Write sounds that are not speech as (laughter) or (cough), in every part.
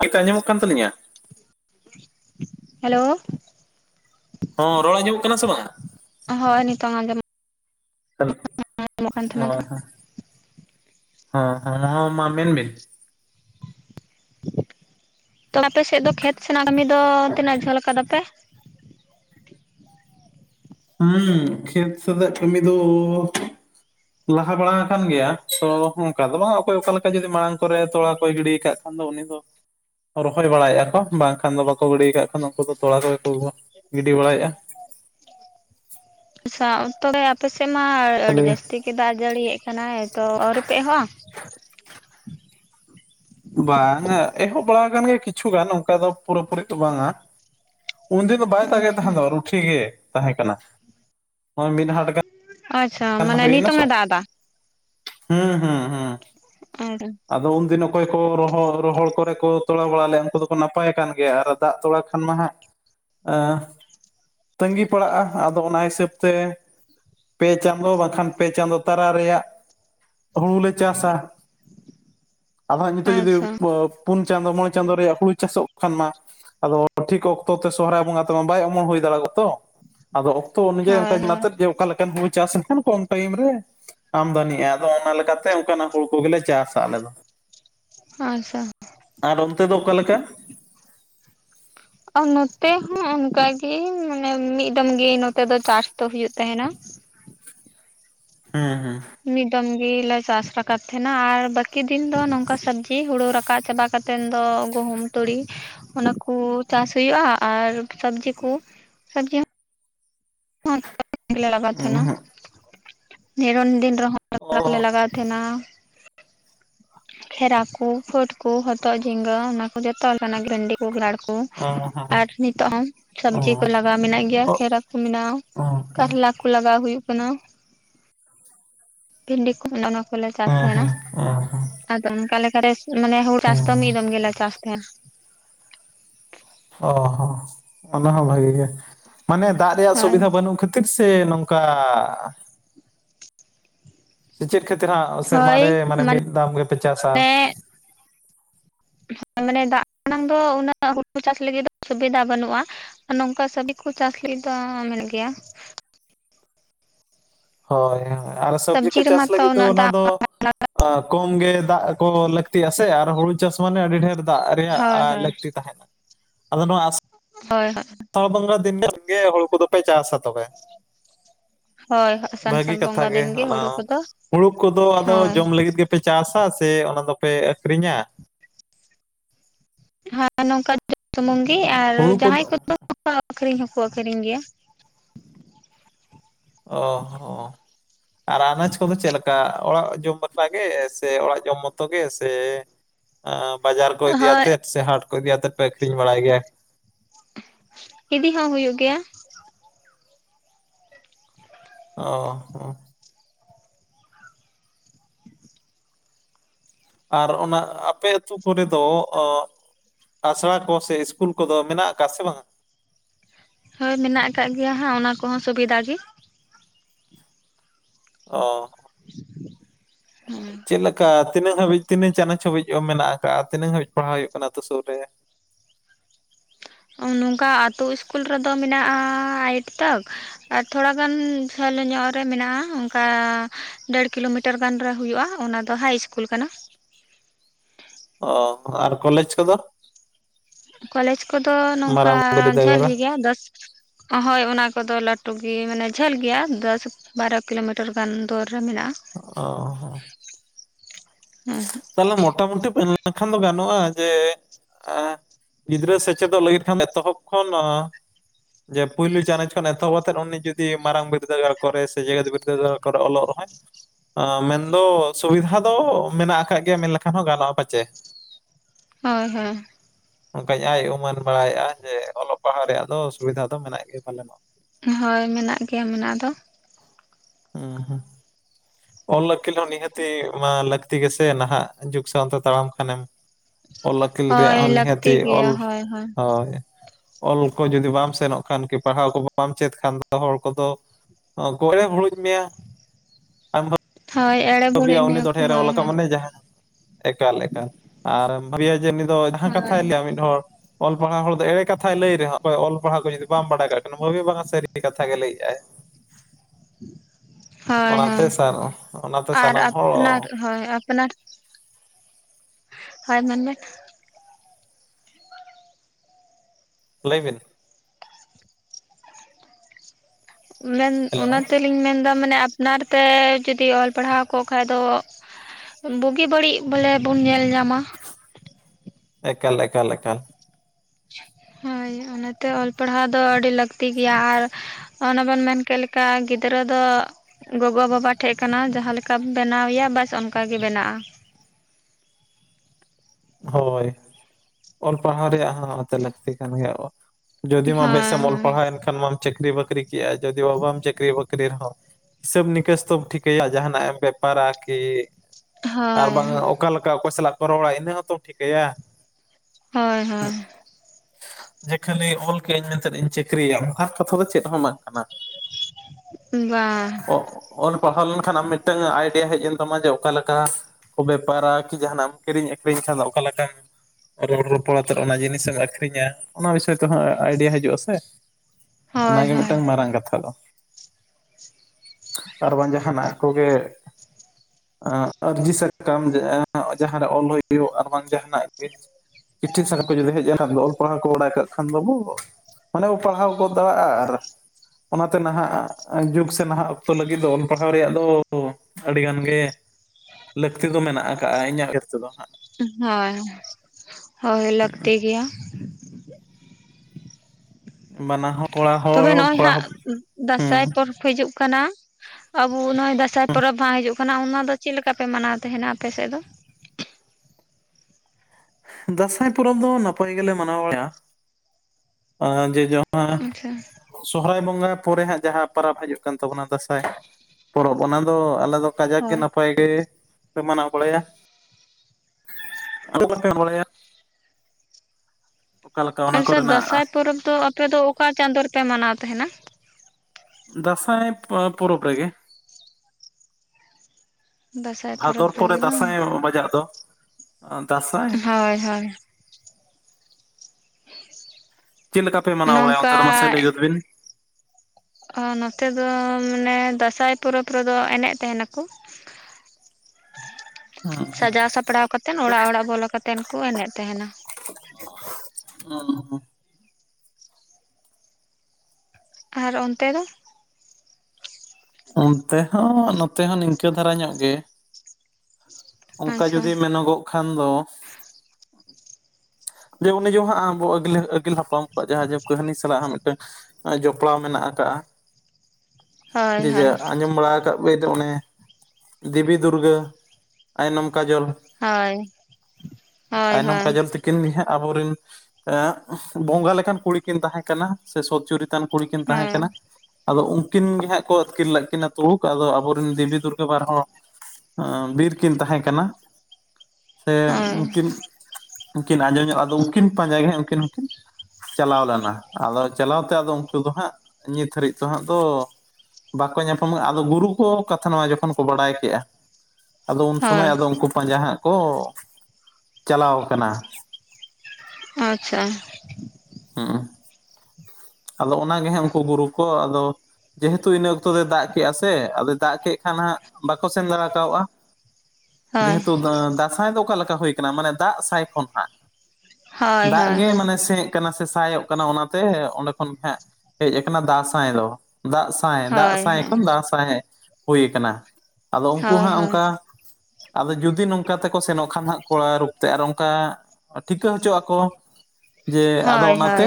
ᱴᱷᱤᱠ ᱟᱧᱚᱢᱚᱜ ᱠᱟᱱ ᱛᱟᱞᱤᱧᱟ ᱦᱮᱞᱳ ᱦᱚᱸ ᱨᱚᱲ ᱟᱡᱚᱢᱚᱜ ᱠᱟᱱᱟ ᱥᱮ ᱵᱟᱝ ᱦᱳᱭ ᱱᱤᱛᱚᱝ ᱟᱡᱚᱢᱚᱜ ᱛᱟᱦᱮᱱᱟ ᱛᱚ (unintelligible) ᱛᱚ ᱟᱯᱮ ᱥᱮᱫ ᱫᱚ ᱠᱷᱮᱛ ᱥᱮᱱᱟᱜ ᱠᱟᱹᱢᱤ ᱫᱚ ᱛᱤᱱᱟᱹᱜ ᱡᱷᱟᱹᱞ ᱟᱠᱟᱫᱟ ᱯᱮ ᱦᱩᱸ ᱠᱷᱮᱛ ᱥᱮᱱᱟᱜ ᱠᱟᱹᱢᱤ ᱫᱚ ᱞᱟᱦᱟ ᱵᱟᱲᱟ ᱟᱠᱟᱱ ᱜᱮᱭᱟ ᱛᱚ ᱚᱱᱠᱟ ᱫᱚ ᱵᱟᱝ ᱚᱠᱚᱭ ᱚᱠᱟᱞᱮᱠᱟ ᱡᱩᱫᱤ ᱢᱟᱲᱟᱝ ᱠᱚᱨᱮ ᱛᱚᱲᱟ ᱠᱚᱭ ᱜᱤᱰᱤ ᱟᱠᱟᱫ ᱟᱫᱚ ᱩᱱᱤ ᱫᱚ ᱨᱚᱦᱚᱭ ᱵᱟᱲᱟᱭᱮᱫ ᱟᱠᱚ ᱵᱟᱝᱠᱷᱟᱱ ᱫᱚ ᱵᱟᱠᱚ ᱜᱤᱰᱤ ᱟᱠᱟᱫ ᱠᱷᱟᱱ ᱩᱱᱠᱩ ᱫᱚ ᱛᱚᱲᱟ ᱠᱚᱜᱮ ᱠᱚ ᱜᱤᱰᱤ ᱵᱟᱲᱟᱭᱮᱫᱼᱟ ᱛᱚ ᱟᱯᱮᱥᱮᱫ ᱢᱟ ᱟᱹᱰᱤ ᱠᱷᱟᱹᱞᱤ ᱡᱟᱹᱥᱛᱤ ᱜᱮ ᱫᱟᱜ ᱡᱟᱹᱲᱤᱭᱮᱫ ᱠᱟᱱᱟᱭ ᱛᱚ ᱟᱶᱨᱤ ᱯᱮ ᱮᱦᱚᱵᱟ ᱵᱟᱝᱟ ᱮᱦᱚᱵ ᱵᱟᱲᱟ ᱟᱠᱟᱱ ᱜᱮᱭᱟ ᱠᱤᱪᱷᱩ ᱜᱟᱱ ᱚᱱᱠᱟ ᱫᱚ ᱯᱩᱨᱟᱹ ᱯᱩᱨᱤ ᱫᱚ ᱵᱟᱝᱟ ᱩᱱᱫᱤᱱ ᱫᱚ ᱵᱟᱭ ᱫᱟᱜᱮᱫ ᱛᱟᱦᱮᱸ ᱟᱪᱪᱷᱟ ᱫᱚ ᱨᱩᱴᱷᱤ ᱜᱮ ᱛᱟᱦᱮᱸ ᱠᱟᱱᱟ ᱱᱚᱜᱼᱚᱭ ᱢᱤᱫ ᱦᱟᱴ ᱜᱟᱱ ᱟᱪᱪᱷᱟ ᱢᱤᱫ ᱦᱟᱴ ᱢᱟ ᱢᱟᱱᱮ ᱱᱤᱛᱚᱝ ᱦᱩᱭᱱᱟᱥᱚ ᱮ ᱫᱟᱜ ᱦᱩᱸ ᱦᱩᱸ ᱦᱩᱸ ᱟᱫᱚ ᱟᱫᱚ ᱩᱱᱫᱤᱱ ᱚᱠᱚᱭ ᱠᱚ ᱨᱚᱦᱚᱲ ᱨᱚᱦᱚᱲ ᱠᱚᱨᱮ ᱠᱚ ᱛᱚᱞᱟ ᱵᱟᱲᱟ ᱞᱮᱫᱟ ᱩᱱᱠᱩ ᱫᱚᱠᱚ ᱱᱟᱯᱟᱭ ᱟᱠᱟᱱ ᱜᱮᱭᱟ ᱟᱨ ᱫᱟᱜ ᱛᱚᱞᱟ ᱠᱷᱟᱱ ᱢᱟᱦᱟᱸᱜ ᱟᱸ ᱛᱟᱹᱜᱤ ᱯᱟᱲᱟᱜᱼᱟ ᱟᱫᱚ ᱚᱱᱟ ᱦᱤᱥᱟᱹᱵ ᱛᱮ ᱯᱮ ᱪᱟᱸᱫᱚ ᱵᱟᱝᱠᱷᱟᱱ ᱯᱮ ᱪᱟᱸᱫᱚ ᱛᱟᱨᱟ ᱨᱮᱭᱟᱜ ᱦᱩᱲᱩᱞᱮ ᱪᱟᱥᱟ ᱟᱫᱚ ᱦᱟᱸᱜ ᱱᱤᱛᱚᱜ ᱡᱩᱫᱤ ᱟᱪᱪᱷᱟ ᱯᱩᱱ ᱪᱟᱸᱫᱳ ᱢᱚᱬᱮ ᱪᱟᱸᱫᱳ ᱨᱮᱭᱟᱜ ᱦᱩᱲᱩ ᱪᱟᱥᱚᱜ ᱠᱷᱟᱱ ᱢᱟ ᱟᱫᱚ ᱴᱷᱤᱠ ᱚᱠᱛᱚ ᱛᱮ ᱥᱚᱦᱦᱟᱭ ᱵᱚᱸᱜᱟ ᱛᱮᱢᱟ ᱵᱟᱭ ᱚᱢᱚᱱ ᱦᱩᱭ ᱫᱟᱲᱮᱭᱟᱜᱼᱟ ᱛᱚ ᱟᱫᱚ ᱚᱠᱛᱚ ᱚᱱᱩᱡᱟᱭᱤ ᱦᱳᱭ ᱚᱱᱠᱟᱛᱮ ᱦᱳᱭ ᱡᱮ ᱚᱠᱟ ᱞᱮᱠᱟᱱ ᱦᱩᱲᱩ ᱪᱟᱥ ᱠᱚᱢ ᱴᱟᱭᱤᱢ ᱨᱮ ᱟᱢᱫᱟᱱᱤᱼᱟ ᱟᱫᱚ ᱚᱱᱟ ᱞᱮᱠᱟᱛᱮ ᱚᱱᱠᱟᱱᱟᱜ ᱦᱩᱲ ᱠᱚᱜᱮᱞᱮ ᱪᱟᱥ ᱮᱫᱟ ᱟᱞᱮ ᱫᱚ ᱟᱪᱪᱷᱟ ᱟᱨ ᱚᱱᱛᱮ ᱫᱚ ᱚᱠᱟᱞᱮᱠᱟ ᱟᱨ ᱱᱚᱛᱮ ᱦᱚᱸ ᱚᱱᱠᱟᱜᱤ ᱢᱟᱱᱮ ᱢᱤᱫ ᱫᱚᱢ ᱜᱮ ᱱᱚᱛᱮ ᱫᱚ ᱪᱟᱥ ᱦᱩᱭᱩᱜ ᱛᱟᱦᱮᱸᱱᱟ ᱦᱩᱸ ᱦᱩᱸ ᱦᱩᱸ ᱢᱤᱫ ᱫᱚᱢ ᱜᱮᱞᱮ ᱪᱟᱥ ᱟᱠᱟᱫ ᱛᱟᱦᱮᱸᱱᱟ ᱟᱨ ᱵᱟᱠᱤ ᱫᱤᱱ ᱫᱚ ᱱᱚᱝᱠᱟ ᱥᱚᱵᱽᱡᱤ ᱦᱩᱲᱩ ᱨᱟᱠᱟᱵ ᱪᱟᱵᱟ ᱠᱟᱛᱮᱱ ᱫᱚ ᱜᱩᱦᱩᱢ ᱛᱩᱲᱤ ᱚᱱᱟᱠᱚ ᱪᱟᱥ ᱦᱩᱭᱩᱜᱼᱟ ᱟᱨ ᱥᱚᱵᱽᱡᱤ ᱠᱚ ᱥᱚᱵᱽᱡᱤ (unintelligible) ᱞᱟᱜᱟᱣ ᱛᱟᱦᱮᱸᱱᱟ ᱩᱸᱦᱩᱜ ᱱᱤᱨᱚᱱ ᱫᱤᱱ ᱨᱮᱦᱚᱸ (unintelligible) ᱠᱚ ᱞᱮ ᱞᱟᱜᱟᱶ ᱛᱟᱦᱮᱱᱟ ᱠᱷᱮᱨᱟ ᱠᱚ ᱯᱷᱟᱹᱴ ᱠᱚ ᱦᱚᱛᱚᱫ ᱡᱷᱤᱸᱜᱟᱹ ᱚᱱᱟ ᱠᱚ ᱡᱚᱛᱚ ᱞᱮᱠᱟᱱᱟᱜ ᱵᱷᱮᱱᱰᱤ ᱠᱚ ᱵᱮᱸᱜᱟᱲ ᱠᱚ ᱟᱨ ᱱᱤᱛᱚᱜ ᱦᱚᱸ ᱥᱚᱵᱽᱡᱤ ᱠᱚ ᱞᱟᱜᱟᱣ ᱢᱮᱱᱟᱜ ᱜᱮᱭᱟ ᱠᱷᱮᱨᱟ ᱠᱚ ᱢᱮᱱᱟᱜᱼᱟ ᱠᱟᱨᱞᱟ ᱠᱚ ᱞᱟᱜᱟᱣ ᱦᱩᱭᱩᱜ ᱠᱟᱱᱟ ᱵᱷᱮᱱᱰᱤ ᱠᱚ ᱢᱟᱱᱮ ᱚᱱᱟ ᱠᱚᱞᱮ ᱪᱟᱥ ᱛᱟᱦᱮᱱᱟ ᱟᱫᱚ ᱚᱱᱠᱟ ᱞᱮᱠᱟ ᱨᱮ ᱢᱟᱱᱮ ᱦᱩᱲ ᱪᱟᱥ ᱫᱚᱢ ᱢᱤᱫ ᱫᱚᱢ ᱜᱮᱞᱮ ᱪᱟᱥ ᱛᱟᱦᱮᱸᱫ ᱚ ᱦᱚᱸ ᱚᱱᱟ ᱦᱚᱸ ᱵᱷᱟᱜᱤ ᱜᱮ ᱢᱟᱱᱮ ᱫᱟᱜ ᱨᱮᱭᱟᱜ ᱥᱩᱵᱤᱫᱷᱟ ᱦᱳᱭ ᱵᱟᱹᱱᱩᱜ ᱠᱷᱟᱹᱛᱤᱨ ᱠᱷᱟᱹᱛᱤᱨ ᱥᱮ ᱱᱚᱝᱠᱟ ᱥᱮ ᱪᱮᱫ ᱠᱷᱟᱹᱛᱤᱨ ᱦᱟᱸᱜ, ᱥᱮᱨᱢᱟᱨᱮ ᱢᱟᱱᱮ ᱢᱤᱫ ᱫᱟᱢ ᱜᱮᱯᱮ ᱪᱟᱥᱟ? ᱢᱟᱱᱮ ᱫᱟᱜ ᱢᱟᱲᱟᱝ ᱫᱚ ᱩᱱᱟᱹᱜ ᱦᱩᱲᱩ ᱪᱟᱥ ᱞᱟᱹᱜᱤᱫ ᱫᱚ ᱥᱩᱵᱤᱫᱟ ᱵᱟᱹᱱᱩᱜᱼᱟ᱾ ᱟᱨ ᱱᱚᱝᱠᱟ ᱥᱚᱵᱡᱤ ᱠᱚ ᱪᱟᱥ ᱞᱟᱹᱜᱤᱫ ᱫᱚ ᱢᱮᱱᱟᱜ ᱜᱮᱭᱟ᱾ ᱦᱳᱭ ᱦᱳᱭ ᱟᱨ ᱥᱚᱵᱽᱡᱤ ᱠᱚ ᱪᱟᱥ ᱨᱮᱢᱟᱛᱚ ᱞᱟᱹᱜᱤᱫ ᱫᱚ ᱩᱱᱟᱹᱜ ᱚᱱᱟ ᱫᱟᱢ ᱫᱚᱼᱼ ᱠᱚᱢ ᱜᱮ ᱫᱟᱜ ᱠᱚ ᱞᱟᱹᱠᱛᱤᱜ ᱟ ᱥᱮ ᱟᱨ ᱦᱩᱲᱩ ᱪᱟᱥ ᱢᱟᱱᱮ ᱟᱹᱰᱤ ᱰᱷᱮᱨ ᱫᱟᱜ ᱨᱮᱭᱟᱜ ᱦᱳᱭ ᱦᱳᱭ ᱞᱟᱠᱛᱤ ᱛᱟᱦᱮᱱᱟ ᱟᱫᱚ ᱱᱚᱣᱟ ᱦᱳᱭ ᱦᱳᱭ ᱟᱥᱟᱲ ᱵᱚᱸᱜᱟ ᱫᱤᱱ ᱜᱮ ᱛᱚᱵᱮ ᱦᱳᱲᱳ ᱠᱚᱫᱚᱯᱮ ᱪᱟᱥᱟ ᱛᱚᱵᱮ᱾ ᱦᱳᱭ ᱟᱥᱟᱱ ᱵᱷᱟᱹᱜᱤ ᱥᱟᱱ ᱠᱟᱛᱷᱟ ᱵᱚᱸᱜᱟ ᱜᱮ ᱫᱤᱱ ᱚᱱᱟ ᱦᱩᱲᱩ ᱦᱚ ᱠᱚᱫᱚ ᱦᱩᱲᱩ ᱠᱚᱫᱚ ᱟᱫᱚ ᱦᱳᱭ ᱡᱚᱢ ᱞᱟᱹᱜᱤᱫ ᱜᱮᱼᱼ ᱜᱮᱞᱮ ᱪᱟᱥᱟ ᱥᱮ ᱚᱱᱟ ᱫᱚᱯᱮ ᱟᱹᱠᱷᱨᱤᱧᱟ ᱦᱮᱸ ᱱᱚᱝᱠᱟ ᱡᱚᱢ ᱥᱩᱢᱩᱝ ᱜᱮ, ᱟᱨ ᱡᱟᱦᱟᱸᱭ ᱠᱚᱫᱚ ᱟᱠᱷᱨᱤᱧ ᱦᱚᱸᱠᱚ ᱟᱠᱷᱨᱤᱧ ᱜᱮᱭᱟ᱾ ᱚ ᱦᱚᱸ ᱟᱨ ᱟᱱᱟᱡᱽ ᱠᱚᱫᱚ ᱪᱮᱫ ᱞᱮᱠᱟ? ᱚᱲᱟᱜ ᱡᱚᱢ ᱵᱟᱠᱷᱨᱟ ᱜᱮ ᱥᱮ ᱚᱲᱟᱜ ᱡᱚᱢ ᱢᱚᱛᱚ ᱜᱮ ᱥᱮᱼᱼ ᱵᱟᱡᱟᱨ ᱠᱚ ᱦᱳᱭ ᱤᱫᱤᱭᱟᱛᱮᱮᱫ, ᱥᱮ ᱦᱟᱴ ᱠᱚ ᱤᱫᱤᱭᱟᱛᱮᱫ ᱯᱮ ᱟᱹᱷᱨᱤᱧ ᱵᱟᱲᱟᱭ ᱜᱮᱭᱟ? ᱤᱫᱤ ᱦᱚᱸ ᱦᱩᱭᱩᱜ ᱜᱮᱭᱟ᱾ ᱚ ᱦᱚ ᱟᱨ ᱚᱱᱟ ᱟᱯᱮ ᱟᱹᱛᱩ ᱠᱚᱨᱮ ᱫᱚᱼᱼ ᱟᱥᱲᱟ ᱠᱚ ᱥᱮ ᱤᱥᱠᱩᱞ ᱠᱚᱫᱚ ᱢᱮᱱᱟᱜ ᱟᱠᱟᱫᱟ ᱥᱮ ᱵᱟᱝ? ᱦᱳᱭ ᱢᱮᱱᱟᱜ ᱟᱠᱟᱫ ᱜᱮᱭᱟ ᱦᱟᱸᱜ ᱚᱱᱟ ᱠᱚᱦᱚᱸ ᱥᱩᱵᱤᱫᱷᱟ ᱜᱮ᱾ ᱚ ᱦᱮᱸ ᱪᱮᱫ ᱞᱮᱠᱟ ᱛᱤᱱᱟᱹᱜ ᱦᱟᱹᱵᱤᱡ ᱛᱤᱱᱟᱹᱜ ᱪᱟᱱᱟᱪ ᱦᱟᱹᱵᱤᱡ ᱢᱮᱱᱟᱜ ᱟᱠᱟᱫᱼᱟ ᱛᱤᱱᱟᱹᱜ ᱦᱟᱹᱵᱤᱡ ᱯᱟᱲᱦᱟᱣ ᱦᱩᱭᱩᱜ ᱠᱟᱱᱟ ᱟᱹᱛᱩ ᱥᱩᱨ ᱨᱮ? ᱱᱚᱝᱠᱟ ᱟᱹᱛᱳ ᱤᱥᱠᱩᱞ ᱨᱮᱫᱚ ᱢᱮᱱᱟᱜᱼᱟ ᱮᱭᱤᱴ ᱛᱟᱠ᱾ ᱟᱨ ᱛᱷᱚᱲᱟᱜᱟᱱ ᱡᱷᱟᱹᱞ ᱧᱚᱜ ᱨᱮ ᱢᱮᱱᱟᱜᱼᱟ ᱚᱱᱠᱟ ᱰᱮᱹᱲ ᱠᱤᱞᱳᱢᱤᱴᱟᱨ ᱢᱤᱴᱟᱨ ᱜᱟᱱ ᱨᱮ ᱦᱳᱭᱳᱼᱟ ᱚᱱᱟ ᱫᱚ ᱦᱟᱭ ᱤᱥᱠᱩᱞ ᱠᱟᱱᱟ᱾ ᱚ ᱟᱨ ᱠᱚᱞᱮᱡᱽ ᱠᱚᱫᱚ᱾ ᱠᱚᱞᱮᱡᱽ ᱠᱚᱫᱚ ᱱᱚᱝᱠᱟ ᱢᱟᱨᱟᱝ ᱡᱷᱟᱹᱞᱤ ᱵᱤᱨᱫᱟᱹᱜᱟᱲ ᱜᱮᱭᱟ ᱫᱚᱥ ᱦᱳᱭ ᱚᱱᱟ ᱠᱚᱫᱚ ᱞᱟᱹᱴᱩ ᱜᱮ, ᱢᱟᱱᱮ ᱡᱷᱟᱹᱞ ᱜᱮᱭᱟ ᱫᱚᱥ ᱵᱟᱨᱚ ᱠᱤᱞᱳᱢᱤᱴᱟᱨ ᱜᱟᱱ ᱫᱩᱨ ᱨᱮ ᱢᱮᱱᱟᱜᱼᱟ᱾ ᱚ ᱦᱮᱸ ᱦᱚᱸ ᱛᱟᱦᱚᱞᱮ ᱢᱳᱚᱴᱟᱢᱩᱴᱤ ᱢᱮᱱ ᱞᱮᱠᱷᱟᱱ ᱫᱚ ᱜᱟᱱᱚᱜᱼᱟ ᱡᱮ, ᱜᱤᱫᱽᱨᱟᱹ ᱥᱮᱪᱮᱫᱚᱜ ᱞᱟᱹᱜᱤᱫ ᱠᱷᱟᱱ ᱮᱛᱚᱦᱚᱵ ᱠᱷᱚᱱᱼᱼ ᱡᱮ ᱯᱳᱭᱞᱳ ᱪᱟᱱᱟᱪ ᱠᱷᱚᱱ ᱮᱛᱚᱦᱚᱵ ᱠᱟᱛᱮᱫ ᱩᱱᱤ ᱡᱩᱫᱤ ᱢᱟᱨᱟᱝ ᱵᱤᱨᱫᱟᱹᱜᱟᱲ ᱠᱚᱨᱮ ᱥᱮ ᱡᱮᱜᱮᱛ ᱵᱤᱨᱫᱟᱹᱜᱟᱲ ᱠᱚᱨᱮ ᱚᱞᱚᱜ ᱨᱮᱦᱚᱸᱼᱼ ᱢᱮᱱᱫᱚ ᱥᱩᱵᱤᱫᱷᱟ ᱫᱚ ᱢᱮᱱᱟᱜ ᱟᱠᱟᱟᱜ ᱜᱮᱭᱟ, ᱢᱮᱱ ᱞᱮᱠᱷᱟᱱ ᱦᱚᱸ ᱜᱟᱱᱚᱜᱼᱟ ᱯᱟᱪᱮ ᱦᱳᱭ, ᱦᱳᱭ ᱚᱱᱠᱟᱧ ᱟᱭ ᱩᱢᱟᱹᱱ ᱵᱟᱲᱟᱭᱮᱜᱼᱟ ᱡᱮ, ᱚᱞᱚᱜ ᱯᱟᱲᱦᱟᱜ ᱨᱮᱭᱟᱜ ᱫᱚ ᱥᱩᱵᱤᱫᱷᱟ ᱫᱚ ᱢᱮᱱᱟᱜ ᱜᱮᱭᱟ ᱯᱟᱞᱮᱱᱚᱜ ᱦᱳᱭ ᱢᱮᱱᱟᱜ ᱜᱮᱭᱟ ᱢᱮᱱᱟᱜ ᱫᱚ᱾ ᱩᱸ ᱦᱩᱸ ᱚᱞ ᱟᱹᱠᱤᱞ ᱦᱚᱸ ᱱᱤᱦᱟᱹᱛᱤ ᱚᱱᱟ ᱞᱟᱹᱠᱛᱤ ᱜᱮᱥᱮ ᱱᱟᱦᱟᱜ ᱡᱩᱜᱽ ᱥᱟᱶᱛᱮ ᱛᱟᱲᱟᱢ ᱠᱷᱟᱱᱮᱢ᱾ ᱚᱞ ᱟᱹᱠᱤᱞ ᱨᱮᱭᱟᱜ ᱦᱳᱭ ᱦᱚᱸ ᱞᱟᱹᱠᱛᱤ ᱱᱤᱦᱟᱹᱛᱤ ᱚᱞ, ᱜᱮᱭᱟ ᱦᱳᱭ ᱦᱳᱭ ᱚᱞ ᱠᱚ ᱡᱩᱫᱤ ᱵᱟᱢ ᱥᱮᱱᱚᱜ ᱠᱷᱟᱱ ᱠᱤ ᱯᱟᱲᱦᱟᱣ ᱠᱚ ᱵᱟᱢ ᱪᱮᱫᱽ ᱠᱷᱟᱱ ᱫᱚ ᱦᱚᱲ ᱠᱚᱫᱚᱼᱼ ᱚ ᱜ (unintelligible) ᱵᱷᱩᱸᱲᱩᱡ ᱢᱮᱭᱟ᱾ ᱟᱢ ᱠᱷᱚᱱ ᱦᱳᱭ ᱮᱲᱮ ᱵᱟᱹᱲᱤᱡ (unintelligible) ᱩᱱᱤ ᱢᱮᱭᱟ ᱫᱚ ᱠᱚ ᱰᱷᱮ ᱨᱮ ᱦᱳᱭ ᱚᱞ ᱟᱠᱟᱫ ᱦᱳᱭ ᱢᱟᱱᱮ ᱡᱟᱦᱟᱸᱭ ᱮᱠᱟᱞ ᱮᱠᱟᱞ ᱟᱨᱮᱢ ᱵᱷᱟᱵᱤᱭᱟ ᱡᱮ ᱩᱱᱤ ᱫᱚ ᱡᱟᱦᱟᱸ ᱦᱳᱭ ᱠᱟᱛᱷᱟᱭ ᱞᱟᱹᱭᱟ ᱢᱤᱫ ᱦᱚᱲ ᱚᱞ ᱯᱟᱲᱦᱟᱣ ᱦᱚᱲ ᱫᱚ ᱮᱲᱮ ᱠᱟᱛᱷᱟᱭ ᱞᱟᱹᱭ ᱨᱮᱦᱚᱸ ᱚᱠᱚᱭ ᱚᱞ ᱯᱟᱲᱦᱟᱣ ᱠᱚ ᱡᱩᱫᱤ ᱵᱟᱢ ᱵᱟᱰᱟᱭ ᱠᱟᱜ ᱠᱷᱟᱱ ᱵᱷᱟᱵᱤ ᱵᱟᱝᱟ ᱥᱟᱹᱨᱤ ᱠᱟᱛᱷᱟ ᱜᱮ ᱞᱟᱹᱭᱮᱜᱼᱟᱭ᱾ (inaudible) (inaudible) ᱦᱳᱭ ᱚᱱᱟᱛᱮ ᱦᱳᱭ ᱥᱟᱨ ᱟᱨ ᱟᱯᱱᱟᱨ ᱦᱳᱭ ᱟᱯᱱᱟᱨ ᱦᱳᱭ ᱢᱮᱱ ᱢᱮ ᱾ ᱞᱟᱹᱭ ᱵᱤᱱ ᱾ ᱢᱮᱱ ᱦᱮᱞᱳ ᱚᱱᱟ ᱛᱮᱞᱤᱧ ᱢᱮᱱᱫᱟ ᱢᱟᱱᱮ ᱟᱯᱱᱟᱨ ᱛᱮ ᱡᱩᱫᱤ ᱚᱞ ᱯᱟᱲᱦᱟᱣ ᱠᱚᱜ ᱠᱷᱟᱡ ᱫᱚ, ᱵᱩᱜᱤ ᱵᱟᱹᱲᱤᱡ ᱵᱚᱞᱮ ᱵᱚᱱ ᱧᱮᱞ ᱧᱟᱢᱟ ᱾ ᱮᱠᱟᱞ ᱮᱠᱟᱞ ᱮᱠᱟᱞ ᱾ ᱦᱳᱭ, ᱚᱱᱟᱛᱮ ᱚᱞ ᱯᱟᱲᱦᱟᱣ ᱫᱚ ᱟᱹᱰᱤ ᱞᱟᱹᱠᱛᱤ ᱜᱮᱭᱟ ᱟᱨ ᱚᱱᱮ ᱵᱮᱱ ᱢᱮᱱᱠᱮᱫ ᱞᱮᱠᱟ ᱜᱤᱫᱽᱨᱟᱹ ᱫᱚ, ᱜᱚᱜᱚ ᱵᱟᱵᱟ ᱴᱷᱮᱡ ᱠᱟᱱᱟ, ᱡᱟᱦᱟᱸ ᱞᱮᱠᱟᱢ ᱵᱮᱱᱟᱣᱮᱭᱟ ᱵᱟᱥ ᱚᱱᱠᱟᱜᱮ ᱵᱮᱱᱟᱜᱼᱟ ᱾ ᱦᱳᱭ ᱚᱞ ᱯᱟᱲᱦᱟᱣ ᱨᱮᱭᱟᱜ ᱦᱚᱸ ᱟᱫᱚ ᱞᱟᱹᱠᱛᱤ ᱠᱟᱱ ᱜᱮᱭᱟ᱾ ᱡᱩᱫᱤ ᱢᱟ ᱦᱳᱭ ᱵᱮᱥᱮᱢ ᱚᱞ ᱦᱳᱭ ᱯᱟᱲᱦᱟᱣ ᱮᱱᱠᱷᱟᱱ ᱢᱟᱢ ᱪᱟᱹᱠᱨᱤ ᱵᱟᱹᱠᱨᱤ ᱠᱮᱜᱼᱟ ᱾ ᱡᱩᱫᱤ ᱵᱟᱢ ᱪᱟᱹᱠᱨᱤ ᱵᱟᱹᱠᱨᱤ ᱨᱮᱦᱚᱸ ᱦᱤᱥᱟᱹᱵ ᱱᱤᱠᱟᱹᱥ ᱛᱚᱢ ᱴᱷᱤᱠᱟᱹᱭᱟ, ᱡᱟᱦᱟᱱᱟᱜ ᱮᱢ ᱵᱮᱯᱟᱨᱟ ᱠᱤ ᱾ ᱟᱨ ᱦᱳᱭ ᱵᱟᱝ ᱚᱠᱟ ᱞᱮᱠᱟ ᱚᱠᱚᱭ ᱥᱟᱞᱟᱜ ᱠᱚ ᱨᱚᱲᱟ ᱤᱱᱟᱹ ᱦᱚᱸᱛᱚᱢ ᱴᱷᱤᱠᱟᱹᱭᱟ ᱾ ᱦᱳᱭ ᱦᱳᱭ (inaudible) ᱡᱮ ᱠᱷᱟᱹᱞᱤ ᱚᱞ ᱠᱮᱜᱼ ᱟᱹᱧ ᱢᱮᱱᱛᱮ ᱤᱧ ᱪᱟᱹᱠᱨᱤᱭᱟ ᱚᱱᱠᱟᱱ ᱠᱟᱛᱷᱟ ᱫᱚ ᱪᱮᱫ ᱦᱚᱸ ᱵᱟᱝᱠᱟᱱᱟ ᱾ ᱵᱟᱝ ᱾ ᱚᱞ ᱯᱟᱲᱦᱟᱣ ᱞᱮᱱᱠᱷᱟᱱ ᱟᱢ ᱢᱤᱫᱴᱟᱹᱝ ᱟᱭᱰᱤᱭᱟ ᱦᱮᱡ ᱮᱱ ᱛᱟᱢᱟ, ᱡᱮ ᱚᱠᱟ ᱞᱮᱠᱟ ᱠᱚ ᱵᱮᱯᱟᱨᱟ ᱠᱤ ᱡᱟᱦᱟᱱᱟᱜ ᱮᱢ ᱠᱤᱨᱤᱧ ᱟᱹᱠᱷᱨᱤᱧ ᱠᱷᱟᱱ ᱫᱚ ᱚᱠᱟ ᱞᱮᱠᱟᱢ ᱨᱚᱲ ᱨᱚᱯᱚᱲ ᱟᱛᱮᱫ ᱚᱱᱟ ᱡᱤᱱᱤᱥ ᱮᱢ ᱟᱹᱠᱷᱨᱤᱧᱟ ᱚᱱᱟ ᱵᱤᱥᱚᱭ ᱛᱮᱦᱚᱸ ᱟᱭᱰᱤᱭᱟ ᱦᱤᱡᱩᱜᱼᱟ ᱥᱮ ᱾ ᱦᱳᱭ ᱚᱱᱟᱜᱮ ᱦᱳᱭ ᱢᱤᱫᱴᱟᱝ ᱢᱟᱨᱟᱝ ᱠᱟᱛᱷᱟ ᱫᱚ ᱾ ᱟᱨᱵᱟᱝ ᱡᱟᱦᱟᱱᱟᱜ ᱠᱚᱜᱮ ᱾ ᱟᱹᱨᱡᱤ ᱥᱟᱠᱟᱢ ᱡᱟᱦᱟᱸᱨᱮ ᱚᱞ ᱦᱳᱭᱳᱜ ᱟᱨ ᱵᱟᱝ ᱡᱟᱦᱟᱱᱟᱜ ᱜᱮ ᱪᱤᱴᱷᱤ ᱥᱟᱱᱟᱢ ᱠᱚ ᱡᱩᱫᱤ ᱦᱮᱡ ᱮᱱᱟ ᱫᱚ ᱚᱞ ᱯᱟᱲᱦᱟᱣ ᱠᱚ ᱵᱟᱲᱟᱭ ᱠᱟᱜ ᱠᱷᱟᱱ ᱫᱚᱵᱚ ᱢᱟᱱᱮ ᱯᱟᱲᱦᱟᱣ ᱠᱚ ᱫᱟᱲᱮᱜᱼᱟ ᱾ ᱟᱨ ᱚᱱᱟᱛᱮ ᱱᱟᱦᱟᱜ ᱡᱩᱜᱽ ᱥᱮ ᱱᱟᱦᱟᱜ ᱚᱠᱛᱚ ᱞᱟᱹᱜᱤᱫ ᱫᱚ ᱚᱞ ᱯᱟᱲᱦᱟᱣ ᱨᱮᱭᱟᱜ ᱫᱚ ᱟᱹᱰᱤ ᱜᱟᱱ ᱜᱮ ᱞᱟᱹᱠᱛᱤ ᱫᱚ ᱢᱮᱱᱟᱜ ᱟᱠᱟᱜᱼᱟ ᱤᱧᱟᱹᱜ ᱩᱭᱟᱹᱨ ᱛᱮᱫᱚ ᱦᱟᱸᱜ ᱾ ᱦᱳᱭ, ᱦᱳᱭ ᱞᱟᱹᱠᱛᱤ ᱜᱮᱭᱟ ᱾ ᱢᱟᱱᱟ ᱦᱚᱸ ᱠᱚᱲᱟ ᱦᱚᱲ ᱛᱚᱵᱮ ᱱᱚᱜᱼᱚᱭ ᱠᱚᱲᱟ ᱦᱟᱸᱜ ᱦᱚᱯ ᱫᱟᱸᱥᱟᱭ ᱦᱩᱸ ᱯᱚᱨᱚᱵᱽ ᱦᱤᱡᱩᱜ ᱠᱟᱱᱟ, ᱟᱵᱚ ᱱᱚᱜᱼᱚᱭ ᱫᱟᱸᱥᱟᱭ ᱯᱚᱨᱚᱵᱽ ᱦᱟᱸᱜ ᱦᱤᱡᱩᱜ ᱠᱟᱱᱟ ᱚᱱᱟ ᱫᱚ ᱪᱮᱫ ᱞᱮᱠᱟ ᱯᱮ ᱢᱟᱱᱟᱣ ᱛᱟᱦᱮᱱᱟ ᱟᱯᱮ ᱥᱮᱫ ᱫᱚ? ᱫᱟᱸᱥᱟᱭ ᱯᱚᱨᱚᱵᱽ ᱫᱚ ᱱᱟᱯᱟᱭ ᱜᱮᱞᱮ ᱢᱟᱱᱟᱣ ᱵᱟᱲᱟ ᱟᱨ ᱡᱮ ᱡᱚᱢ ᱢᱟ ᱟᱪᱪᱷᱟ ᱥᱚᱦᱚᱨᱟᱭ ᱵᱚᱸᱜᱟ ᱯᱚᱨᱮ ᱦᱟᱸᱜ ᱡᱟᱦᱟᱸ ᱯᱚᱨᱚᱵᱽ ᱦᱤᱡᱩᱜ ᱠᱟᱱ ᱛᱟᱵᱚᱱᱟ ᱫᱟᱸᱥᱟᱭ ᱯᱚᱨᱚᱵᱽ ᱚᱱᱟ ᱫᱚ ᱟᱞᱮ ᱫᱚ, ᱠᱷᱡᱟᱠ ᱜᱮ, ᱦᱳᱭ ᱱᱟᱯᱟᱭ ᱜᱮ, ᱞᱮ ᱢᱟᱱᱟᱣ ᱵᱟᱲᱟᱭᱟ ᱾ ᱮ (unintelligible) ᱵᱚᱞᱮᱭᱟ (unintelligible) ᱞᱮᱠᱟ ᱚᱱᱟ ᱟᱪᱪᱷᱟ, ᱠᱚᱨᱮᱱᱟᱜ ᱫᱟᱸᱥᱟᱭ ᱯᱚᱨᱚᱵᱽ ᱫᱚ ᱟᱯᱮ ᱫᱚ ᱚᱠᱟ ᱪᱟᱸᱫᱚ ᱨᱮ ᱯᱮ ᱢᱟᱱᱟᱣ ᱛᱟᱦᱮᱱᱟ? ᱫᱟᱸᱥᱟᱭ ᱯᱚᱨᱚᱵᱽ ᱨᱮᱜᱮ ᱾ ᱫᱟᱸᱥᱟᱭ ᱯᱚᱨᱚᱵᱽ ᱵᱷᱟᱫᱚᱨ ᱯᱚᱨᱮ ᱨᱮᱜᱮ ᱵᱟᱝ ᱫᱟᱸᱥᱟᱭ ᱵᱟᱡᱟᱜ ᱫᱚ ᱫᱟᱸᱥᱟᱭ ᱾ ᱦᱳᱭ ᱦᱳᱭ ᱾ ᱪᱮᱫ ᱞᱮᱠᱟ ᱯᱮ ᱢᱟᱱᱟᱣ ᱵᱟᱲᱟᱭ ᱚᱱᱛᱮ ᱫᱚ ᱢᱟᱥᱮ ᱱᱚᱝᱠᱟ ᱞᱟᱹᱭᱚᱫ ᱵᱤᱱ? ᱚ ᱱᱚᱛᱮ ᱫᱚ ᱢᱟᱱᱮ ᱫᱟᱸᱥᱟᱭ ᱯᱚᱨᱚᱵᱽ ᱨᱮᱫᱚ ᱮᱱᱮᱡ ᱛᱟᱦᱮᱱᱟ ᱠᱚ ᱾ (inaudible) ᱥᱟᱡᱟᱣ ᱥᱟᱯᱲᱟᱣ ᱠᱟᱛᱮ ᱚᱲᱟᱜ ᱚᱲᱟᱜ ᱵᱚᱞᱚ ᱠᱟᱛᱮ ᱠᱚ ᱮᱱᱮᱡ ᱛᱟᱦᱮᱱᱟ ᱾ ᱦᱩᱸ ᱦᱩᱸ ᱾ ᱟᱨ ᱚᱱᱛᱮ ᱫᱚ? ᱚᱱᱛᱮ ᱦᱚᱸ ᱱᱚᱛᱮ ᱦᱚᱸ ᱱᱤᱝᱠᱟᱹ ᱫᱷᱟᱨᱟ ᱧᱚᱜ ᱜᱮ, ᱚᱱᱠᱟ ᱟᱪᱪᱷᱟ ᱡᱩᱫᱤ ᱢᱮᱱᱚᱜᱚᱜ ᱠᱷᱟᱱ ᱫᱚ ᱡᱮ ᱩᱱᱤ ᱡᱟ ᱦᱟᱸᱜ ᱟᱵᱚ ᱟᱹᱜᱤᱞ ᱦᱟᱯᱲᱟᱢ ᱡᱟᱦᱟᱸ ᱟᱸᱡᱚᱢ ᱠᱟᱹᱦᱱᱤ ᱥᱟᱞᱟᱜ ᱦᱚᱸ ᱢᱤᱫᱴᱟᱝ ᱡᱚᱯᱲᱟᱣ ᱢᱮᱱᱟᱜ ᱟᱠᱟᱟᱜᱼᱟ᱾ ᱦᱳᱭ ᱡᱮ ᱡᱟ ᱦᱳᱭ ᱟᱸᱡᱚᱢ ᱵᱟᱲᱟ ᱟᱠᱟᱫ ᱦᱳᱭ ᱫᱚ ᱚᱱᱮ ᱫᱮᱵᱤ ᱫᱩᱨᱜᱟᱹ ᱟᱭᱱᱚᱢ ᱠᱟᱡᱚᱞ ᱦᱳᱭ ᱦᱳᱭ ᱟᱭᱱᱚᱢ ᱦᱳᱭ ᱠᱟᱡᱚᱞ ᱛᱤᱠ ᱠᱤᱱ ᱟᱵᱚᱨᱤᱱ ᱵᱚᱸᱜᱟ ᱞᱮᱠᱟᱱ ᱠᱩᱲᱤ ᱠᱤᱱ ᱛᱟᱦᱮᱸ ᱠᱟᱱᱟ, ᱥᱮ ᱥᱚᱛ ᱪᱚᱨᱤᱛᱟᱱ ᱠᱩᱲᱤ ᱠᱤᱱ ᱛᱟᱦᱮᱸ ᱦᱳᱭ ᱠᱟᱱᱟ ᱟᱫᱚ ᱩᱱᱠᱤᱱ ᱜᱮ ᱦᱟᱸᱜ ᱠᱚ ᱟᱹᱛᱠᱤᱨ ᱞᱮᱫ ᱠᱤᱱᱟ ᱛᱩᱲᱩᱠ ᱟᱫᱚ ᱟᱵᱚᱨᱮᱱ ᱫᱮᱵᱤ ᱫᱩᱨᱜᱟᱹ ᱵᱟᱨ ᱦᱚᱲ ᱵᱤᱨ ᱠᱤᱱ ᱛᱟᱦᱮᱸ ᱠᱟᱱᱟ ᱥᱮ ᱦᱳᱭ ᱩᱱᱠᱤᱱ ᱩᱱᱠᱤᱱ ᱟᱸᱡᱚᱢ ᱧᱚᱜ ᱟᱫᱚ ᱩᱱᱠᱤᱱ ᱯᱟᱸᱡᱟ ᱜᱮ ᱦᱮᱸ ᱩᱱᱠᱤᱱ ᱦᱚᱸᱠᱤᱱ ᱪᱟᱞᱟᱣ ᱞᱮᱱᱟ, ᱟᱫᱚ ᱪᱟᱞᱟᱣᱛᱮ ᱟᱫᱚ ᱩᱱᱠᱩ ᱫᱚ ᱦᱟᱸᱜ ᱱᱤᱛ ᱦᱟᱹᱨᱤᱡ ᱫᱚ ᱦᱟᱸᱜ ᱫᱚ ᱵᱟᱠᱚ ᱧᱟᱯᱟᱢᱚᱜᱼᱟ, ᱟᱫᱚ ᱜᱩᱨᱩ ᱠᱚ ᱠᱟᱛᱷᱟ ᱱᱚᱣᱟ ᱡᱚᱠᱷᱚᱱ ᱠᱚ ᱵᱟᱲᱟᱭ ᱠᱮᱜᱼᱟ ᱾ ᱟᱫᱚ ᱩᱱ ᱥᱚᱢᱚᱭ ᱦᱳᱭ ᱟᱫᱚ ᱩᱱᱠᱩ ᱯᱟᱸᱡᱟ ᱦᱟᱸᱜ ᱠᱚ ᱪᱟᱞᱟᱣ ᱠᱟᱱᱟ᱾ ᱟᱪᱪᱷᱟ ᱦᱩᱸ ᱟᱫᱚ ᱚᱱᱟᱜᱮ ᱦᱟᱸᱜ ᱩᱱᱠᱩ ᱜᱩᱨᱩ ᱠᱚ ᱟᱫᱚ ᱡᱮᱦᱩᱛᱩ ᱤᱱᱟᱹ ᱚᱠᱛᱚ ᱫᱚᱭ ᱫᱟᱜ ᱠᱮᱫᱼᱟ ᱥᱮ ᱟᱫᱚᱭ ᱫᱟᱜ ᱠᱮᱫ ᱠᱷᱟᱱ ᱦᱟᱸᱜ ᱵᱟᱠᱚ ᱥᱮᱱ ᱫᱟᱲᱮ ᱠᱟᱣᱼᱟᱜ᱾ ᱦᱳᱭ ᱡᱮᱦᱮᱛᱩ ᱫᱟᱸᱥᱟᱭ ᱫᱚ ᱚᱠᱟᱮᱠᱟ ᱦᱩᱭ ᱠᱟᱱᱟ ᱢᱟᱱᱮ ᱫᱟᱜ ᱥᱟᱭ ᱠᱷᱚᱱᱟᱜ᱾ ᱦᱳᱭ ᱫᱟᱜ ᱦᱳᱭ ᱜᱮ ᱦᱳᱭ ᱢᱟᱱᱮ ᱥᱮᱜ ᱠᱟᱱᱟ ᱥᱮ ᱥᱟᱭᱚᱜ ᱠᱟᱱᱟ ᱚᱱᱟᱛᱮ ᱚᱸᱰᱮ ᱦᱮᱡ ᱠᱟᱱᱟ ᱫᱟᱸᱥᱟᱭ ᱫᱚ ᱫᱟᱜ ᱥᱟᱭ ᱫᱟᱜ ᱦᱳᱭ ᱥᱟᱭ ᱠᱷᱚᱱ ᱫᱟᱸ ᱥᱟᱭ ᱦᱮᱸ ᱦᱩᱭ ᱠᱟᱱᱟ ᱟᱫᱚ ᱩᱱᱠᱩ ᱦᱟᱸᱜ ᱦᱳᱭ ᱦᱳᱭ ᱦᱳᱭ ᱚᱱᱠᱟ ᱟᱫᱚ ᱡᱩᱫᱤ ᱱᱚᱝᱠᱟ ᱛᱮᱠᱚ ᱥᱮᱱᱚᱜ ᱠᱷᱟᱱ ᱦᱟᱜ ᱠᱚᱲᱟ ᱨᱩᱯ ᱛᱮ ᱟᱨ ᱚᱱᱠᱟ ᱴᱷᱤᱠᱟᱹ ᱦᱚᱪᱚ ᱟᱠᱚ ᱡᱮ ᱟᱫᱚ ᱦᱳᱭ ᱚᱱᱟᱛᱮ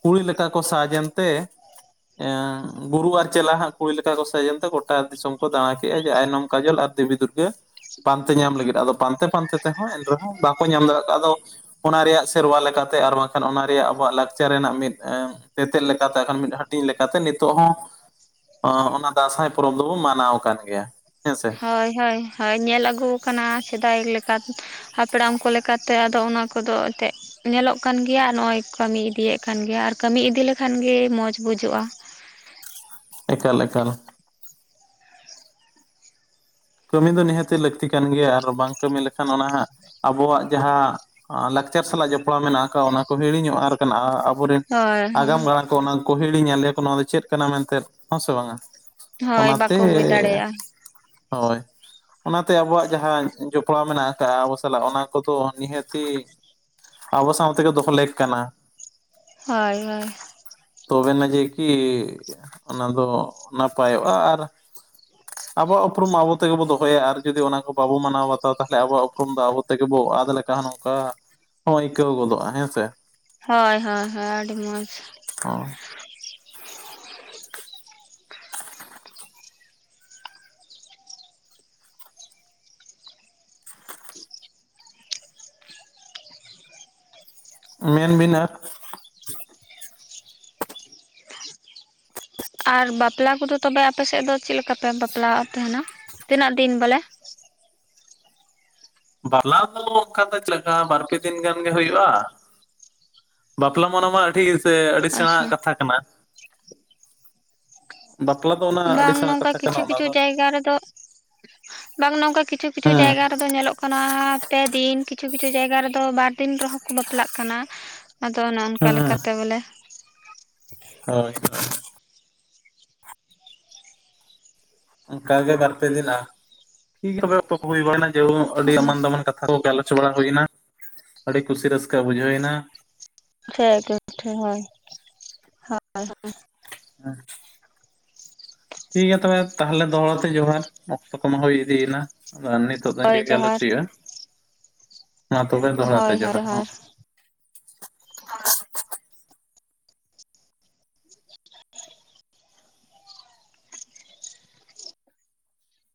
ᱠᱩᱲᱤ ᱞᱮᱠᱟ ᱠᱟ ᱠᱚ ᱥᱟᱡ ᱮᱱᱛᱮ ᱜᱩᱨᱩ ᱟᱨ ᱪᱮᱞᱟ ᱦᱟᱸᱜ ᱠᱩᱲᱤ ᱞᱮᱠᱟ ᱠᱚ ᱥᱟᱡᱮᱱᱛᱮ ᱜᱚᱴᱟ ᱫᱤᱥᱚᱢ ᱠᱚ ᱫᱟᱬᱟ ᱠᱮᱫᱼᱟ ᱡᱮ ᱟᱭᱱᱚᱢ ᱠᱟᱡᱚᱞ ᱟᱨ ᱫᱮᱵᱤ ᱫᱩᱨᱜᱟᱹ ᱯᱟᱱᱛᱮ ᱧᱟᱢ ᱞᱟᱹᱜᱤᱫ ᱟᱫᱚ ᱯᱟᱱᱛᱮ ᱯᱟᱱᱛᱮ ᱛᱮᱦᱚᱸ ᱮᱱᱨᱮᱦᱚᱸ ᱵᱟᱠᱚ ᱧᱟᱢ ᱫᱟᱲᱮᱭᱟᱜ ᱠᱚᱣᱟ, ᱟᱫᱚ ᱚᱱᱟ ᱨᱮᱭᱟᱜ ᱥᱮᱨᱣᱟ ᱞᱮᱠᱟᱛᱮ ᱟᱨ ᱵᱟᱝᱠᱷᱟᱱ ᱚᱱᱟ ᱨᱮᱭᱟᱜ ᱟᱵᱚᱣᱟᱜ ᱞᱟᱠᱪᱟᱨ ᱨᱮᱱᱟᱜ ᱢᱤᱫ ᱛᱮᱛᱮᱫ ᱞᱮᱠᱟᱛᱮ ᱠᱷᱟᱱ ᱢᱤᱫ ᱦᱟᱹᱴᱤᱧ ᱞᱮᱠᱟᱛᱮ ᱱᱤᱛᱚᱜ ᱦᱚᱸ ᱚᱱᱟ ᱫᱟᱸᱥᱟᱭ ᱯᱚᱨᱚᱵᱽ ᱫᱚᱵᱚ ᱢᱟᱱᱟᱣ ᱟᱠᱟᱱ ᱜᱮᱭᱟ ᱦᱮᱸ ᱥᱮ᱾ ᱦᱳᱭ ᱦᱳᱭ ᱦᱳᱭ ᱧᱮᱞ ᱟᱹᱜᱩ ᱟᱠᱟᱱᱟ ᱥᱮᱫᱟᱭ ᱞᱮᱠᱟ ᱦᱟᱯᱲᱟᱢ ᱠᱚ ᱞᱮᱠᱟᱛᱮ ᱟᱫᱚ ᱚᱱᱟ ᱠᱚᱫᱚ ᱮᱱᱛᱮᱫ ᱧᱮᱞᱚᱜ ᱠᱟᱱᱜᱮᱭᱟ ᱱᱚᱜᱼᱚᱭ ᱠᱟᱹᱢᱤ ᱤᱫᱤᱭᱮᱫ ᱠᱟᱱᱜᱮᱭᱟ ᱟᱨ ᱠᱟᱹᱢᱤ ᱤᱫᱤ ᱞᱮᱠᱷᱟᱱᱜᱮ ᱢᱚᱸᱡᱽ ᱵᱩᱡᱟᱹᱜᱼᱟ᱾ ᱮᱠᱟᱞ ᱮᱠᱟᱞ ᱠᱟᱹᱢᱤ ᱫᱚ ᱱᱤᱦᱟᱹᱛᱤ ᱞᱟᱹᱠᱛᱤ ᱠᱟᱱ ᱜᱮᱭᱟ, ᱟᱨ ᱵᱟᱝ ᱠᱟᱹᱢᱤ ᱞᱮᱠᱷᱟᱱ ᱚᱱᱟ ᱦᱟᱸᱜ ᱟᱵᱚᱣᱟᱜ ᱡᱟᱦᱟᱸ ᱞᱟᱠᱪᱟᱨ ᱥᱟᱞᱟᱜ ᱡᱚᱯᱲᱟᱣ ᱢᱮᱱᱟᱜ ᱟᱠᱟᱫᱟ ᱚᱱᱟ ᱠᱚ ᱦᱤᱲᱤᱧᱚᱜᱼᱟ ᱠᱟᱱᱟ, ᱟᱸ ᱟᱵᱚᱨᱮᱱ ᱦᱳᱭ ᱦᱳᱭ ᱟᱜᱟᱢ ᱜᱟᱲᱟᱝ ᱠᱚ ᱚᱱᱟ ᱠᱚ ᱦᱤᱲᱤᱧᱟ ᱞᱮᱭᱟ ᱠᱚ ᱱᱚᱣᱟ ᱫᱚ ᱪᱮᱫ ᱠᱟᱱᱟ ᱢᱮᱱᱛᱮ ᱦᱮᱸ ᱥᱮ ᱵᱟᱝᱼᱟ ᱦᱳᱭ ᱚᱱᱟᱛᱮ ᱵᱟᱠᱚ ᱵᱩᱡᱽ ᱫᱟᱲᱮᱭᱟᱜᱼᱟ ᱦᱳᱭ ᱚᱱᱟᱛᱮ ᱟᱵᱚᱣᱟᱜ ᱡᱟᱦᱟᱸ ᱡᱚᱯᱲᱟᱣ ᱢᱮᱱᱟᱜ ᱟᱠᱟᱫ ᱟᱵᱚ ᱥᱟᱞᱟᱜ ᱚᱱᱟ ᱠᱚᱫᱚ ᱱᱤᱦᱟᱹᱛᱤ ᱟᱵᱚ ᱥᱟᱶᱛᱮᱜᱮ ᱫᱚᱦᱚ ᱞᱮᱠ ᱠᱟᱱᱟ ᱦᱳᱭ ᱦᱳᱭ ᱛᱚᱵᱮᱱᱟ ᱡᱮ ᱠᱤ ᱚᱱᱟ ᱫᱚ ᱱᱟᱯᱟᱭᱚᱜᱼᱟ ᱟᱨ ᱟᱵᱚ ᱩᱯᱨᱩᱢ ᱟᱵᱚ ᱛᱮᱜᱮ ᱵᱚ ᱫᱚᱦᱚᱭᱟ ᱟᱨ ᱡᱩᱫᱤ ᱚᱱᱟ ᱠᱚ ᱵᱟᱵᱚ ᱢᱟᱱᱟᱣ ᱵᱟᱛᱟᱣᱟ ᱛᱟᱦᱚᱞᱮ ᱟᱵᱚᱣᱟᱜ ᱩᱯᱨᱩᱢ ᱫᱚ ᱟᱵᱚ ᱛᱮᱜᱮ ᱵᱚ ᱟᱫ ᱞᱮᱠᱟ ᱱᱚᱝᱠᱟ ᱦᱚᱸ ᱟᱹᱭᱠᱟᱹᱣ ᱜᱚᱫᱚᱜᱼᱟ ᱦᱮᱸ ᱥᱮ ᱦᱳᱭ ᱦᱳᱭ ᱦᱳᱭ ᱟᱹᱰᱤ ᱢᱚᱡᱽ ᱦᱚᱸ ᱢᱮᱱᱵᱤᱱ ᱟᱨ ᱟᱨ ᱵᱟᱯᱞᱟ ᱠᱚᱫᱚ ᱛᱚᱵᱮ ᱟᱯᱮᱥᱮᱫ ᱫᱚ ᱪᱮᱫ ᱞᱮᱠᱟᱯᱮ ᱵᱟᱯᱞᱟᱜ ᱛᱟᱦᱮᱱᱟ ᱛᱤᱱᱟᱹᱜ ᱫᱤᱱ ᱵᱚᱞᱮ ᱵᱟᱞᱟ ᱫᱚ ᱚᱱᱠᱟ ᱫᱚ ᱪᱮᱜᱠᱟ ᱵᱟᱨᱯᱮ ᱫᱤᱱ ᱜᱟᱱ ᱜᱤ ᱦᱩᱭᱩᱜᱼᱟ ᱵᱟᱯᱞᱟ ᱢᱟᱱᱟ ᱢᱟ ᱟᱹᱰᱤ ᱥᱮ ᱟᱹᱰᱤ ᱥᱮᱬᱟ ᱟᱪᱪᱷᱟ ᱦᱟᱜ ᱠᱟᱛᱷᱟ ᱠᱟᱱᱟ ᱵᱟᱯᱞᱟ ᱫᱚ ᱚᱱᱟ ᱟᱹᱰᱤ ᱵᱟᱝ ᱥᱮᱬᱟ ᱱᱚᱝᱠᱟ ᱠᱟᱛᱷᱟ ᱠᱟᱱᱟ ᱠᱤᱪᱷᱩ ᱚᱱᱟ ᱠᱤᱪᱷᱩ ᱫᱚ ᱡᱟᱭᱜᱟ ᱨᱮᱫᱚ ᱵᱟᱝ ᱱᱚᱝᱠᱟ ᱠᱤᱪᱷᱩ ᱠᱤᱪᱷᱩ ᱦᱮᱸ ᱡᱟᱭᱜᱟ ᱨᱮᱫᱚ ᱧᱮᱞᱚᱜ ᱠᱟᱱᱟ ᱾ ᱯᱮ ᱫᱤᱱ ᱠᱤᱪᱷᱩ ᱠᱤᱪᱷᱩ ᱡᱟᱭᱜᱟ ᱨᱮᱫᱚ ᱵᱟᱨ ᱫᱤᱱ ᱨᱮᱦᱚᱸ ᱠᱚ ᱵᱟᱯᱞᱟᱜ ᱠᱟᱱᱟ ᱾ ᱟᱫᱚ ᱚᱱ ᱚᱱᱠᱟ ᱦᱮᱸ ᱞᱮᱠᱟᱛᱮ ᱵᱚᱞᱮ ᱾ ᱦᱳᱭ ᱦᱳᱭ ᱚᱱᱠᱟ ᱜᱮ ᱵᱟᱨ ᱯᱮ ᱫᱤᱱ ᱟᱜ ᱴᱷᱤᱠ ᱜᱮᱭᱟ ᱚᱯᱮ ᱥᱟᱶ ᱦᱩᱭᱱᱟ ᱡᱮ ᱟᱹᱰᱤ ᱦᱚᱸᱜᱼᱚᱭ ᱮᱢᱟᱱ ᱫᱟᱢᱟᱱ ᱠᱟᱛᱷᱟ ᱾ ᱟᱵᱚ ᱜᱟᱞᱚᱪ ᱵᱟᱲᱟ ᱦᱩᱭᱱᱟ ᱾ ᱟᱹᱰᱤ ᱠᱩᱥᱤ ᱨᱟᱹᱥᱠᱟᱹ ᱵᱩᱡᱷᱟᱹᱣ ᱮᱱᱟ ᱾ (inaudible) ᱜᱮ ᱴᱷᱤᱠ ᱦᱳᱭ ᱦᱳᱭ ᱦᱮᱸ ᱴᱷᱤᱠ ᱜᱮᱭᱟ ᱛᱚᱵᱮ ᱛᱟᱦᱚᱞᱮ ᱫᱚᱦᱲᱟᱛᱮ ᱡᱚᱦᱟᱨ ᱾ ᱚᱠᱛᱚ ᱠᱚᱢᱟ ᱦᱩᱭ ᱤᱫᱤ ᱭᱮᱱᱟ ᱾ ᱟᱫᱚ ᱱᱤᱛᱚᱜ ᱫᱚᱜ ᱤᱱᱟᱹ ᱦᱳᱭ ᱜᱮ ᱜᱟᱞᱚᱪ ᱡᱚᱦᱟᱨ ᱦᱩᱭᱩᱜᱼᱟ ᱾ ᱢᱟ ᱛᱚᱵᱮ ᱫᱚᱦᱲᱟᱛᱮ ᱦᱳᱭ ᱦᱳᱭ ᱡᱚᱦᱟᱨ ᱾ ᱦᱚᱸ